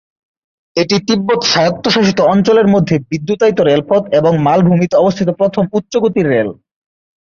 এটি তিব্বত স্বায়ত্তশাসিত অঞ্চলের প্রথম বিদ্যুতায়িত রেলপথ এবং মালভূমিতে অবস্থিত প্রথম উচ্চ-গতির রেল।